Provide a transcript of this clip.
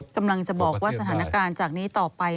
กำลังจะบอกว่าสถานการณ์จากนี้ต่อไป